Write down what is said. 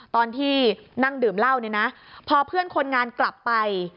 ตอนที่นั่งดื่มเหล้าเนี่ยนะพอเพื่อนคนงานกลับไป